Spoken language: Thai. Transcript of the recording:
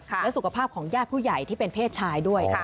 และสุขภาพของญาติผู้ใหญ่ที่เป็นเพศชายด้วย